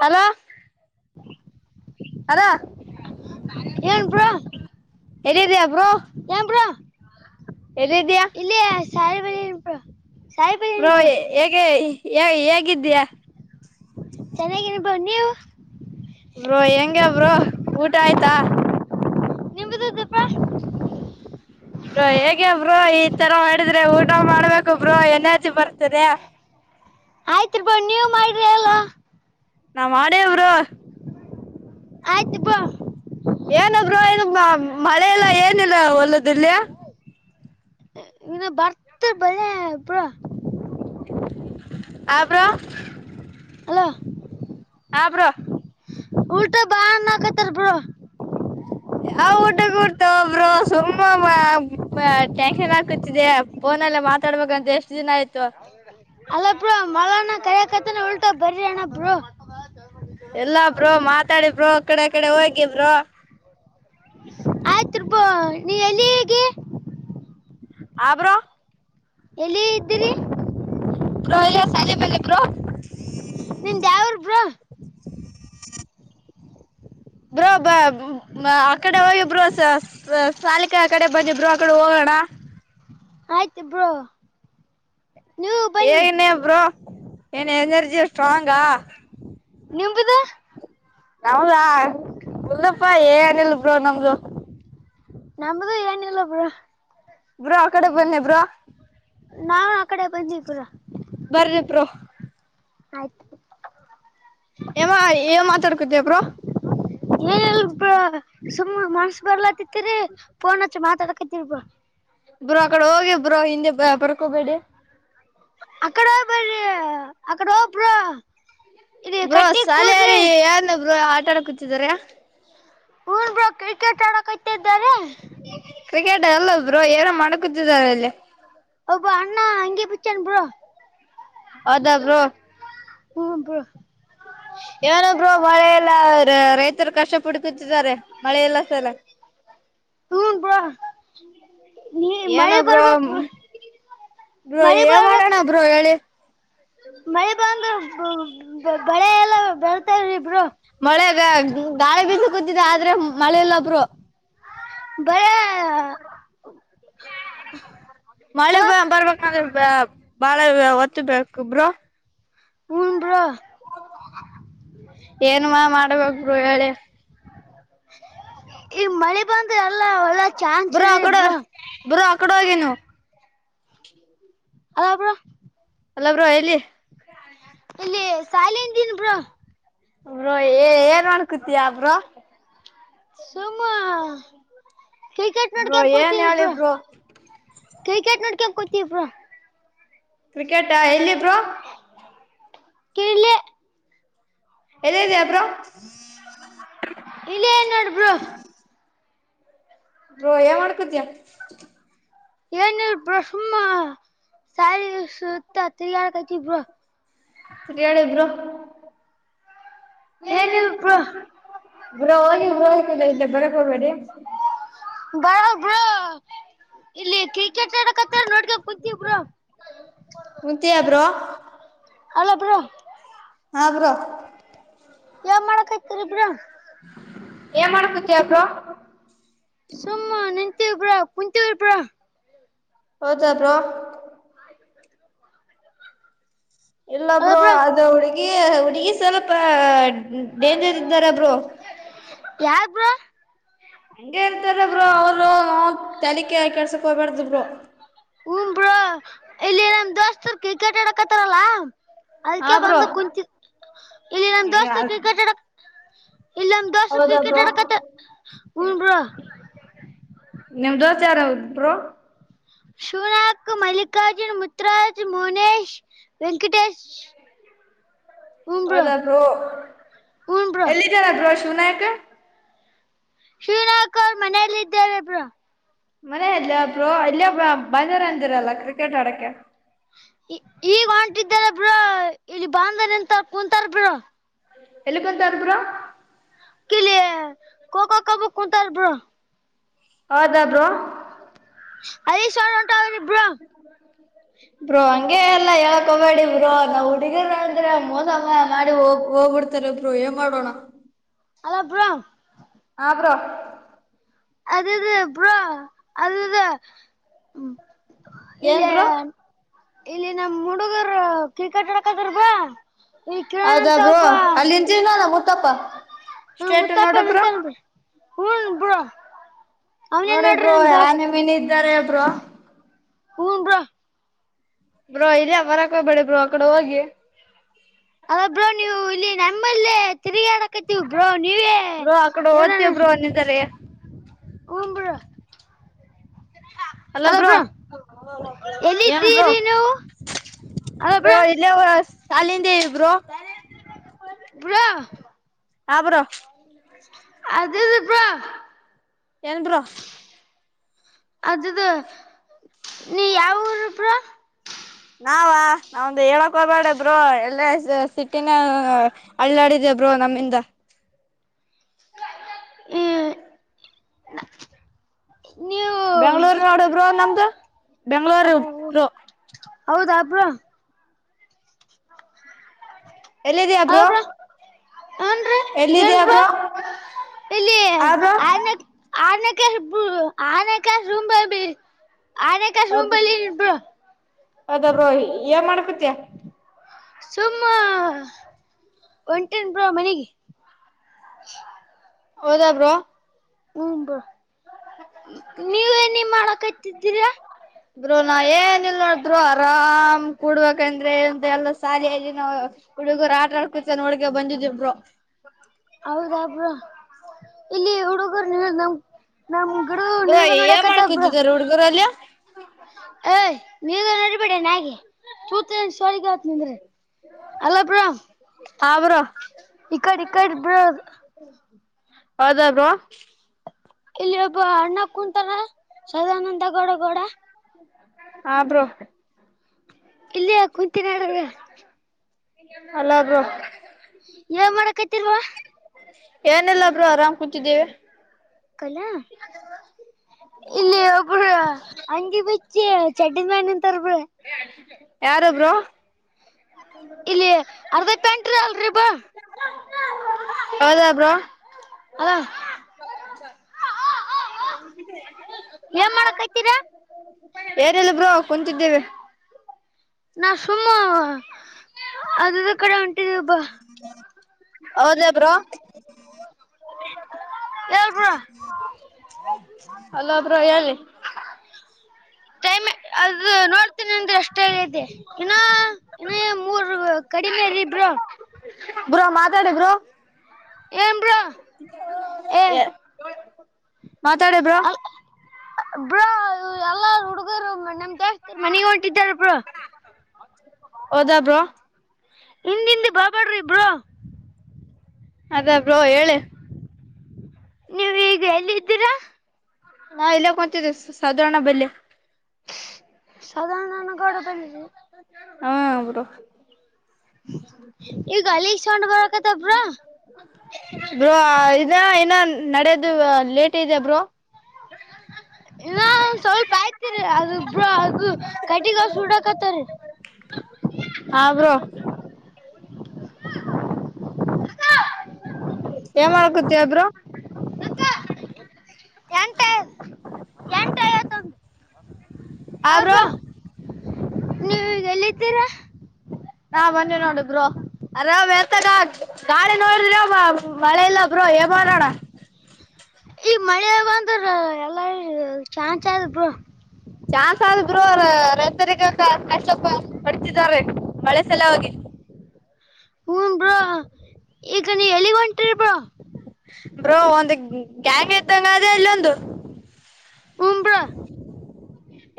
Hello hello ಏನ್ bro ಎಲ್ಲಿದ್ಯಾ bro ಏನ್ ಬ್ರೋ ಎಲ್ಲಿದ್ಯ? ಚಾಯ್ವೀವು. ಬ್ರೋ ಹೇಗೆ. ಎ ಹೇಗಿದ್ದೀಯಾ? ಬನ್ನಿವು. ಬ್ರೋ ಹೆಂಗೆ ಬ್ರೋ ಊಟ ಆಯ್ತಾ? ನಿಮ್ದದೆ ತಪ್ಪಾ. ಬ್ರೋ ಹೇಗೆ ಬ್ರೋ ಈ ತರ ಮಾಡಿದ್ರೆ ಊಟ ಮಾಡ್ಬೇಕು ಬ್ರೋ ಎನರ್ಜಿ ಬರ್ತದೆ. ಆಯ್ತ್ರಿ ಬ್ರೋ ನೀವ್ ಮಾಡ್ರಿ ಅಲ್ಲೊ. ನಾವ್ ಮಾಡೇವ್ ಬ್ರೋ ಆಯ್ತು ಬ್ರೋ ಏನ ಬ್ರೋ ಇದು ಮ ಮಳೆ ಎಲ್ಲ ಏನಿಲ್ಲ ಹೊಲದ್. ದಿಲ್ಯಾ ಇನ್ನ ಬರ್ತ ಬಲ್ಯ ಬ್ರೋ ಆ ಬ್ರೋ ತ್ತ ಹಾ ಬ್ರೋ ಉಲ್ಟ ಬಾ ಅಣ್ಣ ಕತ್ಯಾರ ಬ್ರೋ ಯಾವ್ ಊಟಕ್ಕೆಡ್ತ ಬ್ರೋ ಸುಮ್ಮ ಮ ಪ ಟೆನ್ಕ್ಷನ್ ಆಗ್ತಿದೆ ಫೋನಲ್ಲ ಮಾತಾಡ್ಬೇಕಂತ ಎಷ್ಟು ದಿನ ಆಯ್ತು. ಅಲ್ಲ ಬ್ರೋ ಮಲ್ಲಣ್ಣ ಕೈ ಆಕತನ ಉಲ್ಟ ಬರೀ ಅಣ್ಣಾ ಬ್ರೋ. ಇಲ್ಲಾ ಬ್ರೋ ಮಾತಾಡಿ ಬ್ರೋ ಅಕಡೆ ಅಕಡೆ ಹೋಗಿ ಬ್ರೋ. ಆಯ್ತ್ರಿ ಬ್ರೋ ನೀ ಎಲ್ಲಿಗೆ ಆ ಬ್ರೋ ಎಲ್ಲಿ ಇದ್ದೀರಿ. ಬ್ರೋ [unintelligible] ಬ್ರೋ ನಿಂದ್ ಯಾವೂರ್ ಬ್ರೋ ಬ್ರೋ ಬ ಬಾ ಈ ಕಡೆ ಹೋಗಿ ಬ್ರೋ ಸ ಸ ಸಾಲಿ ಕಡೆ ಆ ಕಡೆ. ಬನ್ನಿ ಬ್ರೋ ಆ ಕಡೆ ಹೋಗಣ. ಆಯಿತು ಬ್ರೋ ನೀವು ಹೇ ಬನ್ನಿ ಅನ್ನಿ ಬ್ರೋ ಏನ್ಎನರ್ಜಿ ಸ್ಟ್ರಾಂಗಾ. ನಿಂಬುದು ನಮ್ದಾ ಉುಲ್ಲಪ್ಪ ಏನಿಲ್ಲ ಬ್ರೋ ನಮ್ದು ನಂಬದು ಏನ ಇಲ್ಲ ಬ್ರೋ. ಬ್ರೋ ಆ ಕಡೆ ಬನ್ನಿ ಬ್ರೋ ನಾವ್ ಆ ಕಡೆ ಬಂದ್ವಿ ಗುರು ಬರ್ರಿ ಬ್ರೋ. ಆಯ್ತು ಎಮ್ಮ ಎನ್ ಮಾತಾಡ್ಕತಿ ಬ್ರೋ. ಏನಿಲ್ಲ ಬ್ರೋ ಸುಮ್ಮ ಮನ್ಸ ಬರ್ಲಾತ್ತತಿರಿ ಪೋನ್ಚ್ಚ ಮಾತಾಡಕತಿನೀ ಬ್ರೋ. ಬ್ರೋ ಆ ಕಡೆ ಹೋಗಿ. ಬ್ರೋ ಹಿಂದೆ ಬ ಬರಕ್ಕೂಬೇಡ್ರಿ. ಅಕಡ ಬರ್ರಿ ಆಕಡೆ ಹೋಗ್ ಬ್ರೋ. ಇಲ್ಲಿ ಬ್ರೋ ಕಟ್ಟಿ ಕೂಡ್ರಿ ಸಾಲಿಯಲಿ ಯಾನು ಬ್ರೋ. ಮಾತಡ ಕುತ್ತಿದ್ದರೆ. ಹೂ ಬ್ರೋ ಕ್ರಿಕೆಟ್ ಆಡಕ ಕತ್ತಿದ್ದಾರೆ. ಕ್ರಿಕೆಟ್ ಅಲ್ಲ ಬ್ರೋ ಏನೋ ಮಾಡ್ ಕತಿದಾರ ಅಲ್ಲಿ. ಒಬ್ಬ ಅಣ್ಣಾ ಅಂಗಿ ಬಿಚ್ಚಿಯಾನ್ ಬ್ರೋ. ಹೌದ ಬ್ರೋ. ಹು ಬ್ರೋ ಏನು ಬ್ರೋ ಮಳೆ ಇಲ್ಲ ರೈತರು ಕಷ್ಟ ಪುಡ್ಕುತ್ತಿದ್ದಾರೆ ಮಳೆ ಇರ್ಲಾರದೇನೆ. ಹು ಬ್ರೋ. ನೀ ಏನೊ ಮಳೆ ಬ್ರೋ ಬರ್ಬೇಕ್ ಮಳಿ ಬರ್ಬೇಕ್ ಮಾಡೋಣ ಹೇಳಿ ಬ್ರೋ ಮಳಿ ಬಂದು [unintelligible] ಬಳೆ ಎಲ್ಲ ಬೇಳ ಸರಿ ಬ್ರೋ. ಮಳೆಗ ಗಾಳಿ ಬಿಸಿ ಕುಂತಿದ್ವಿ ಆದ್ರೆ ಮಳೆಲ್ಲ ಬ್ರೋ. ಭಯ [unintelligible] ಮಳೆ ಅಲ್ಲ ಬ ಬರ್ಬೇಕಂದ್ರೆ. ಬ ಬಾಳ ಹೊತ್ತು ಬೇಕು ಬ್ರೋ. ಹುನ್ ಬ್ರೋ. ಏನ್ ಮಾ ಮಾಡ್ಬೇಕ್. ಬ್ರೋ ಹೇಳಿ. ಈ ಮಳೆ ಬಂದ್ರ ಎಲ್ಲ ಒಲ ಬ್ರೋ ಆಕಡೆ ಬ್ರೋ ಆಕಡೆ ಹೋಗಿ ಬ್ರೋ. ಅಲ್ಲ ಬ್ರೋ. ಹಲೋ ಬ್ರೋ ಎಲ್ಲಿ. ಇಲ್ಲಿ ಸಾಲಿಂದಿನ್ ಬ್ರೋ. ಬ್ರೋ ಏ ಏನ್ ಮಾಡಕ್ ಕುತ್ತಿಯ ಬ್ರೋ. ಸುಮ್ಮ ಕ್ರಿಕೆಟ್ ಬ್ರೋ ನೋಡ್ಕ ಏನ್ ಕೂತಿವಿ ಹೇಳಿ ಬ್ರೋ. ಕ್ರಿಕೆಟ್ ನೋಡ್ಕೊಂಡ್ ಕುತೀವಿ ಬ್ರೋ. ಕ್ರಿಕೆಟ್ ಆ ಎಲ್ಲಿ ಬ್ರೋ. ಕಿರ್ಲಿ ಎಲ್ಲಿದಿಯ ಬ್ರೋ ಇಲ್ಲ ಏ ನೋಡ್ ಬ್ರೋ. ಬ್ರೋ ಏನ್ ಮಾಡಕ್ ಕುತಿಯ. ಏನ್ ಇಲ್ ಬ್ರೋ ಸುಮ್ಮ. ಸಯ್ ಸುತ್ತ ಕಿರ್ಗಾಡಾಕತ್ತೀವಿ ಬ್ರೋ. ಸರಿ ಹೇಳಿ [unintelligible] ಏನಿಲ್ ಬ್ರೋ ಬ್ರೋ ಹೋಗಿ ಬ್ರೋ ಇಕಡೆ ಬರಕ್ ಹೋಗ್ಬೇಡಿ. ಬೇಡ ಬ್ರೋ ಇಲ್ಲಿ ಕ್ರಿಕೆಟ್ ಆಡಕ್ ಹತ್ತಾರ್ ನೋಡ್ಕ್ ಕುಂತೀವಿ ಬ್ರೋ. ಕುಂತಿಯ ಬ್ರೋ ಅಲ್ಲ ಬ್ರೋ ಹಾ ಬ್ರೋ ಏನ್ ಮಾಡಕ್ [inaudible] ಏನ್ ಮಾಡಕುತ್ತೀಯಾ ಬ್ರೋ. ಕುಂತಿವ್ ಬ್ರೋ ಹೌದಾ ಬ್ರೋ [inaudible] ಇಲ್ಲ ಬ್ರೋ ಅದು ಅವಳಿಗೆ. ಹುಡ್ಗಿ ಸ್ವಲ್ಪ ಡೇಂಜರ್ ಇದ್ದಾರ ಬ್ರೋ. ಯಾರ್ ಬ್ರೋ ಹಂಗೆ ಇರ್ತಾರ ಬ್ರೋ ಅವರು ನ ತಲಿ ಕೆ ಕೆಡ್ಸಾಕ್ ಹೋಗ್ಬಾರ್ದು ಬ್ರೋ. ಹೂ ಬ್ರೋ ಇಲ್ಲಿ ನಮ್ಮ ದೋಸ್ತರ ಕ್ರಿಕೆಟ್ ಆಡಕತ್ತೀರಲ್ಲಾ. ಹಾ ಅದಕ ಬ್ರೋ ಬಂದ ಕುಂತ ಇಲ್ಲಿ ನಮ್ಮ ದೋಸ್ತ ಕ್ರಿಕೆಟ್ ಅಡಕ್ [inaudible] ಹೌದಾ ಬ್ರೋ ಹೂಂ ಬ್ರೋ ನಿಮ್ಮ ದೋಸ್ತ್ ಯಾರಾವರು ಬ್ರೋ. ಶುನಕ್ ಮಲ್ಲಿಕಾರ್ಜುನ್ ಮುತ್ರಾಜ್ ಮೌನೇಶ್ ವೆಂಕಟೇಶ್. ಹೌದಾ ಬ್ರೋ ಹೂಂ ಬ್ರೋ ಎಲ್ಲಿದ್ದಾರ ಬ್ರೋ ಶಿವನಾಯಕ. ಶಿವನಾಯಕ ಅವ್ರ ಮನೆಯಲ್ಲಿ ಇದ್ದಾರೆ ಬ್ರೋ. ಮನೆಯಲ್ಲಿೋ ಬ್ರೋ ಇಲ್ಲಿ ಬಂದಿರಂದಿರಲ್ಲ ಕ್ರಿಕೆಟ್ ಆಡಕ್ಕೆ. ಈ ಈಗ ಹೊಂಟಿದ್ದಾರ ಬ್ರೋ ಇಲ್ಲಿ ಬಂದ ನಿಂತ ಕುಂತಾರ ಬ್ರೋ. ಎಲ್ಲಿ ಕುಂತಾರ್ ಬ್ರೋ. ಕಿಲ್ಲೆ ಕೋ ಕೋ ಕಂಬಕ್ ಕುಂತಾರ ಬ್ರೋ. ಹೌದಾ ಬ್ರೋ. ಅಲ್ಲಿ ಸ ಹೊಂಟನ್ ಬ್ರೋ [unintelligible] ಬ್ರೋ ಹಂಗೆ ಎಲ್ಲಾ ಹೇಳಕ್ ಹೋಗಬೇಡಿ ಬ್ರೋ ನಾವ್ ಹುಡಿಗರ ಆದ್ರ ಮೋಸ ಮಾಡಿ ಮಾಡಿ ಹೋಗ ಹೋಗ್ಬಿಡ್ತಾರ ಬ್ರೋ ಏನ್ ಮಾಡೋಣ. ಹಲೋ ಬ್ರೋ ಹಾ ಬ್ರೋ ಅದು ಇದು ಬ್ರೋ ಅದಿದು. ಏನ್ ಇಲ್ಲೇ. ಬ್ರೋ ಇಲ್ಲಿ ನಮ್ಮುಡುಗರು ಕ್ರಿಕಟ್ ಆಡಕ್. ಹೌದಾ ಬ್ರೋ ಒಬ್ಬ ಅಲ್ಲಿಂತೀನಲ್ಲ ಗೊ ತಪ್ಪಾ. ಸ್ಟೇಟ್ ನೋಡು ಬ್ರೋ. ಹ್ಮ್ ಬ್ರೋ ಅವನೇನ್ ನೋಡಿ ನೋಡ್ರಿ ಬ್ರೋ ನಮ್ ಯಾನ್ ದೋಸ್ತ್ ನಮನಿ. ಇದ್ದಾರೆ ಬ್ರೋ. ಹೂ ಬ್ರೋ ಬ್ರೋ ಇಲ್ಲಿ ಬರಕ್ ಹೋಗ್ಬೇಡ್ರಿ ಬ್ರೋ ಆ ಕಡೆ ಹೋಗಿ. ನಮ್ಮಲ್ಲಿ ತಿರಗಾಡಕ ಬ್ರೋ ಆ ಕಡೆ ಓದ್ತೇವ ಬ್ರೋ ಅನಿಂದರಿ. ಹೂಂ ಬ್ರೋ ಅಲ್ಲೊ ಬ್ರೋ ಏನ್ ಬ್ರೋ ಎಲ್ಲಿದ್ದೀರಿ ನೀವು ಬ್ರೋ ಇಲ್ಲೇ [unintelligible] ಕಾಲಂದೇವಿ ಬ್ರೊ. ಬ್ರೋ ಹಬ್ರೋ. ಅದು. ಏನ್ ಬ್ರೋ. ಅದಿದು ನೀ ಯಾವ ಊರಬ್ರೋ. ನಾವ ನಾವಂದು ಹೇಳಕ್ ಹೋಗ್ಬಾಡ ಬ್ರೋ ಎಲ್ಲ ಸಿಟಿ ಸಿಟಿನ ಅಳ್ಳಾಡಿದೇ ಬ್ರೋ ನಮ್ಮಿಂದ. ಈ ಬೆಂಗ್ಳೂರು ನೋಡ ಬ್ರೋ ನಮ್ದು ಬೆಂಗ್ಳೂರು ಅಬ ಬೋ. ಹೌದಾ ಬ್ರೊ. ಎಲ್ಲಿದ್ಯಾ ಬ್ರೋ ಏನ್ರೀ ಏನ್ ಎಲ್ಲಿದ್ಯಾ ಬ್ರೋ ಇಲ್ಲಿ ಆಬ್ರೋ. ಆರನೇ ಆರನೇ ಕ್ಲಾಸ್ ಬ್ರು ಆರನೇ ರೂಂಬಬಿ. ಅದ ಅದಬ್ರ ಏನ್ ಮಾಡ್. [unintelligible] ಸುಮ್ಮ ಒಂಟೆನ್ ಬ್ರೊ ಮನಿಗೆ. ಹೌದಾ ಬ್ರೋ. ಹ್ಮ ಬ ನೀವೇ ನೀ ಮಾಡಕ ತಿದ್ದೀರಾ? ಬ್ರೋ ನಾ ಕಂದ್ರೆ ಬ್ಯಾಲೆಸ್ ಸಾಲಿಯಲ್ಲಿ ನಾವು ಹುಡುಗ್ರು ಆಟ ಆಡ್ಕೂತ ನೋಡ್ಕ ಬಂದಿದ್ವಿ ಬ್ರೊ. ಹೌದಾ ಬ್ರೋ ಇಲ್ಲಿ ಹುಡುಗುರ್ನೀ ನಮ್ ನಮ್ ಗಿಡ ಬ್ರೋ ನೀರ್ಗ ನೋಡಕತ್ತ ಬ್ರೋ ಏಮಾಡ್ಕೂತಿದಾರ ಹುಡ್ಗರಲ್ಲಿ? [inaudible] ಬಿಡ ನಾಗೆ [unintelligible] ಸೊರಿಗತ್ ನಿಂದ್ರ. ಹಲೊ ಬ್ರೊ ಹಾ ಬ್ರೋ ಈ ಕಡ್ ಈ ಕಡ್ ಬ್ರೊ. ಹೌದ ಬ್ರೋ. ಇಲ್ಲಿ ಒಬ್ಬ ಅಣ್ಣ ಕುಂತಾರ ಸದಾನಂದ ಗೌಡ ಗೌಡ. ಹ ಬ್ರೋ ಇಲ್ಲಯ ಕುಂತಿನಡ್ ಹಲೊ ಬ್ರೋ. ಏನ್ ಮಾಡಕತ್ ತಿರ್ವ ಏನಿಲ್ಲ ಬ್ರೊ ಆರಾಮ್ ಕೂತಿದ್ದಿವಿ. ಕಲ ಇಲ್ಲಿ ಒಬ್ರು ಅಂಗಿ ಬಿಚ್ಚಿ ಚಡ್ಡಿಮೇಲ್ ನಿಂತೊರೆ ಬ್ರೋ. ಯಾರು ಬ್ರೋ. ಇಲ್ಲಿ ಅರ್ಧ ಪ್ಯಾಂಟ್ರಿ ಅಲ್ರಿ ಬಾ [unintelligible] ಹೌದಾ ಬ್ರೋ ಹಲೊ [unintelligible] ಏನ್ ಮಾಡಕೖತಿರಾ? Anal bro ಕುಂತಿದ್ದೀವಿ. ನಾವ್ ಸುಮ್ಮ ಅದದು ಕಡೆ ಹೊನ್ಟಿದೆ ಬಾ ಹೌದ ಬ್ರೋ. ಹೇಳ್ ಬ್ರೋ ಹಲೊ ಬ್ರೊ ಹೇಳಿ. ಟೖಮೆ ಅದು ನೋಡ್ತೇನಿ ಅಂದ್ರೆ ಅಷ್ಟ ಆಗೈತಿ ಇನ್ ಏನ ಮೂರ್ ಕಡಿಮೆ ರಿ ಬ್ರೊ. ಬ್ರೋ ಮಾತಾಡಿ ಬ್ರೋ. ಏನ್ ಬ್ರೊ ಎ ಮಾತಾಡಿ ಬ್ರೊ. ಬ್ರೊ ಎಲ್ಲ ಹುಡುಗರು ನಮ್ದೋಸ್ತ್ ಮನೆಗ್ ಹೊಂಟಿದ್ದಾರೆ ಬ್ರೊ. ಹೌದಾ ಬ್ರೋ. ಹಿಂದಿಂದ್ ಬರ್ಬೇಡ್ರಿ ಬ್ರೊ. ಅದೇ ಬ್ರೋ ಹೇಳಿ. ನೀವ್ ಈಗ ಎಲ್ಲಿದ್ದೀರಾ. ನಾ ಇಲ್ಲೆ ಕೂತಿದ್ದೀವಿ ಸಾ ಸಾಧಾರಣ ಬೆಲ್ಲಿ. ಸಾಧಾರಣ [unintelligible] ಹಾ ಬ್ರೊ. ಈಗ ಅಲಿಗ್ ಸೊಂಡ ಬರಕತ್ತವ್ ಬ್ರೊ. ಏ ಇನ್ನ ನಡೆದು. ಇನ್ನಾ ಸ್ವಲ್ಪ ಆಯ್ತಿರಿ ಅದು ಬ್ರೋ ಅದು ಕಟ್ಟಿಗೆ ಸುಡಕತ್ತರಿ. ಹಬ್ರೊ ಏನ್ ಮಾಡಕತ್ತೀಯ ಬ್ರೊ. ಎಂಟ ಎಂಟ ಐವತ್ತೊಂದು ಆ ಹೌದ್ ಬ್ರೊ ಬ್ರೋ ನೀವ್ ಎಲ್ಲಿದ್ದೀರಾ. ಹಾ ಬಂದ್ವಿ ನೋಡು ಬ್ರೋ ಅರಾಮ್ ಎತ ಗಾಳಿ ನೋಡಿದ್ರಿ ಮಳೆ ಇಲ್ಲ ಬ್ರೋ ಏನ್ ಮಾಡಣ. ಈ ಮಳೆ ಬಂದ್ರ ಎಲ್ಲ ಚಾನ್ ಚಲ್ ಬ್ರೊ. ಚಾನ್ಸ ಆದ ಬ್ರೋ ರೈತರಿಗ ಕಷ್ಟಪ ಪಡ್ತಿದ್ದಾರೆ ಮಳೆ ಸಲವಾಗಿ. ಹ್ಮ ಬ್ರೊ ಈಗ ನೀ ಎಲ್ಲಿಗ್ ಹೊಂಟಿರಿ ಬ್ರೊ. ಬ್ರೋ ಒಂದು ಗ್ಯಾಂಗ್ ಇದ್ದಂಗ ಅದೆ ಇಲ್ಲೊಂದು. ಹು ಬ್ರೊ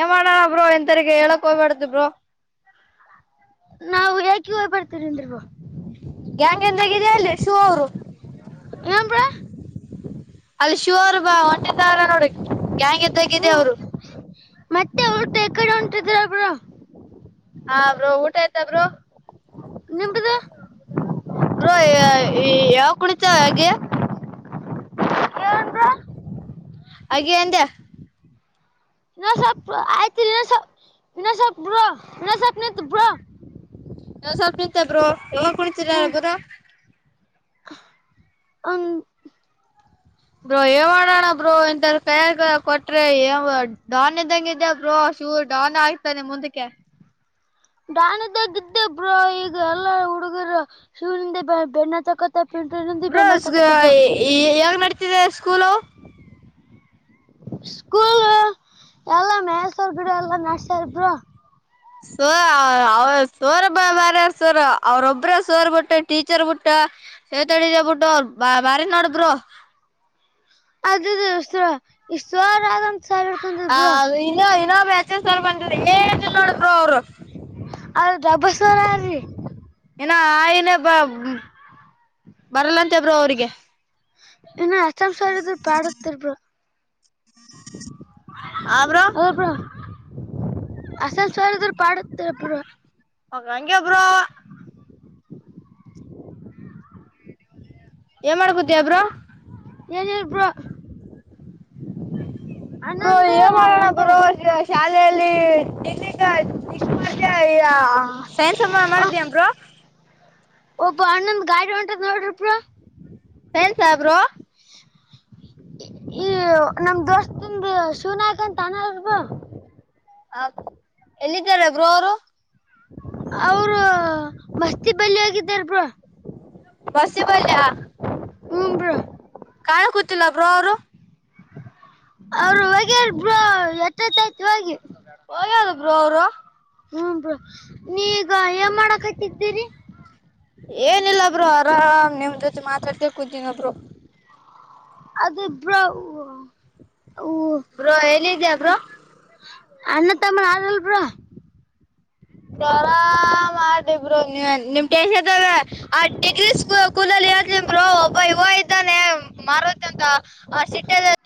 ಏನ್ ಮಾಡಣ ಬ್ರೋ ಇಂತರಿಗೆ ಹೇಳಕ್ ಹೋಗ್ಬಡ್ದ ಬ್ರೋ. ನಾವು ಏಕ ಹೋಗ್ ಬರ್ತೀವಿಂದ್. ಗ್ಯಾಂಗ್ [unintelligible] ಅಲ್ಲಿ ಶೂ ಅವರು. ಏನ್ ಬ್ರೋ ಅಲ್ಲಿ ಶಿವರ್ ಬಾ ಹೊಂಟಿದ್ದಾರೆ ನೋಡಿ. ಗ್ಯಾಂಗ್ ಇದ್ದಂಗಿಗೆ ಅವ್ರು. ಮತ್ತೆ ಅವರುಟ್ಟ ಯಕಡೆ ಒಂಟಿದ್ರ ಬ್ರೋ. ಹಾ ಬ್ರೋ ಊಟ ಆಯ್ತ ಬ್ರೋ ನಿಮ್ದು ಬ್ರೋ ಯಾ ಯಾ ಯಾವ ಕುಣಿತಾವ ಗೆ. ಏನ್ ಬ್ರೋ ಅಗಿ ಎಂದೇ. [unintelligible] [unintelligible] ಸ್ವಲ್ಪ [unintelligible] ಬ್ರೊ ಕುಳತಿರ ಬ್ರೋ. ಹ ಒನ್. ಬ್ರೋ ಏ ಮಾಡೋಣ ಬ್ರೋ ಇಂಥರ ಕೈಯಗ ಕೊಟ್ರೆ ಏ ಬ್ರೋ ಡಾನ್ನಿದ್ದಂಗಿದ್ದೆ ಬ್ರೋ ಶೂರ್ ಡನ್ ಆಗ್ತಾನೆ ಮುಂದಕ್ಕೆ. ಡಾನ್ ಇದ್ದಗಿದ್ದೆ ಬ್ರೋ. ಈಗ ಎಲ್ಲಾ ಹುಡುಗರು ಶೂಇಂದ ಬೆ ಬೆಣ್ಣ ಅಚ್ಚಕತ ಬ್ರೋಸ್ ಗೋ [unintelligible] [unintelligible] ಸ್ಕೂಲು ಸ್ಕೂಲ್ ಎಲ್ಲಾ ಮೆಸ ಅವರ್ ಗಿಡ ಎಲ್ಲಾ ನಡ್ಸರ ಬ್ರೋ. ಸೋ ಅವ ತೋರಬಮಾರ ಸರ್ ಅವ್ರೊಬ್ಬ್ರ ಸೋರ್ ಬಿಟ್ಟು ಟೀಚರ್ ಬಿಟ್ಟ [unintelligible] ಬಿಟ್ಟು ಅವ ಬಮಾರಿ ನೋಡಬ್ರೊ. ಅದದು ಸ್ರೋ ಇಸ್ರೋರಾಗಮ್ ಹ ಇನ್ನ ಏನೋ [unintelligible] ಅಲ್ ತಬಸ್ವರಾರೀ ಇನ ಆಯನೆ ಬ ಬರಲ್ಲಂತೆ ಬ್ರೊ ಅವ್ರಿಗೆ. ಇನ್ನು [unintelligible] ಬ್ರೊ. ಹಲೊ ಬ್ರೋ ಆಸಸ್ [unintelligible] ಅವ್ರ್ ಹಂಗೆ ಬ್ರೊ. ಏನ್ ಮಾಡ್ಕತಿಯ ಬ್ರೋ. ಏನಿಲ್ ಬ್ರೋ. ಬ್ರೋ ಅಣ್ಣಂದು ಏನ್ ಮಾಡೋಣ ಎಂಟ ಬ್ರೋ ಶಾಲೆಯಲ್ಲಿ [unintelligible] [unintelligible] ಮಾಡ ಸೈನ್ಸೆಂಬ ಮಾಡ್ದ್ಯಾಂ ಬ್ರೊ. ಒಬ್ಬ ಅಣ್ಣಂದ್ ಗಾಡಿ ಹೊಂಟದ್ ನೋಡ್ರಿ ಬ್ರೊ. ಸೈನ್ಸಾ ಬ್ರೋ. ಈ ನಮ್ ದೋಸ್ತಂದು ಶಿವನಾಯಕ ಅಂತ [unintelligible] ಹ ಎಲ್ಲಿದ್ದಾರೆ ಬ್ರೋ ಅವ್ರು. ಅವ್ರು ಮಸ್ತಿಬಲ್ಲಿಯಾಗಿದ್ದಾರ್ ಬ್ರೋ. ಬಸ್ಸಿ [unintelligible] ಹುಂ ಬ್ರೊ. ಕಾಣ ಕೂತಿಲ್ಲ ಬ್ರೋ ಅವ್ರು. ಅವರು ಹೋಗ್ಯಾರ್ ಬ್ರೊ ಎಷ್ಟೊತ್ತಾಯ್ತು ಹೋಗಿ. ಹೋಗ್ಯಾದ್ ಬ್ರೊ ಅವ್ರು. ಹ್ಮ ಬ್ರೊ. ನೀ ಈಗ ಏನ್ ಮಾಡಕತ್ತಿದ್ದೀರಿ? ಏನಿಲ್ಲ ಬ್ರೋ ಆರಾಮ್ ನಿಮ್ ಜೊತೆ ಮಾತಾಡ್ಕ್ಯನ್ ಕುಂತೀನಿ ಬ್ರೊ. ಅದು ಬ್ರೊ. ಬ್ರೊ ಎಲ್ಲೀದ್ಯಾ ಬ್ರೊ? ಅ್ಣಣ್ಣ ತಮ್ಮ ಆರಲ್ಬ್ರೊ. ಆರಾಮ ಆದಿಬ್ರೊ ನೀ ನಿಮ ಟೆನ್ಶನ್ ತೋಬ್ಯ ಆ ಟಿಗ್ರೀ ಸ್ಕೂಲ್ ಕೂಲಲ್ಲಿ ಹೇಳ್ತೀನ್ ಬ್ರೊ ಒಬ್ಬ ಇವ ಇದ್ದಾನೆ ಮಾರುತಿ ಅಂತ ಆ ಸಿಟ್ಟೇದಲ್ಲಿ